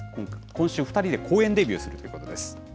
今週２人で公園デビューするということです。